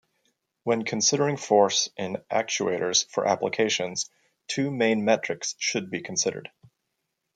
When considering force in actuators for applications, two main metrics should be considered.